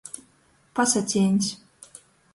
Pasacīņs.